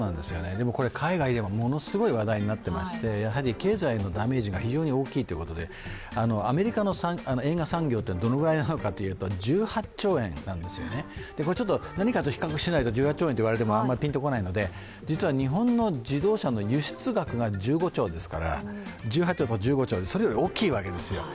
海外でもものすごい話題になっていまして、経済へのダメージがものすごい大きいということでアメリカの映画産業ってどのぐらいになるかというと１８兆円なんですよね、何かと比較しないとピンとこないので実は日本の自動車の輸出額が１５兆ですから、１８兆というのはそれより大きいわけですよ。